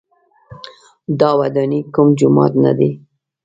دا ودانۍ کوم جومات نه دی.